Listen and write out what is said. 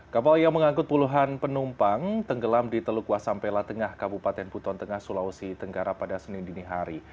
kapal yang mengangkut puluhan penumpang tenggelam di teluk wasampela tengah kabupaten buton tengah sulawesi tenggara pada senin dinihari